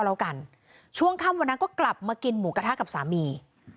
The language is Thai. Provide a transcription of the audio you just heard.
แล้วกันช่วงค่ำวันนั้นก็กลับมากินหมูกระทะกับสามี